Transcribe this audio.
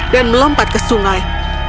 dan melompat ke sungai